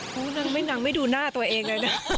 นางไม่ดูหน้าตัวเองเลยนะ